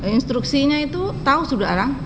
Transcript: instruksinya itu tahu sudah orang